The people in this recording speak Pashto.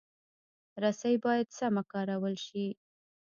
رسۍ باید سمه کارول شي.